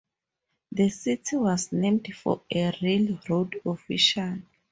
The city was named for a railroad official.